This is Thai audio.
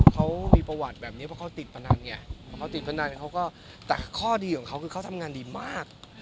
เขามีประวัติแบบนี้เพราะเขาติดพนันแต่ข้อดีของเขาคือเขาทำงานดีมาก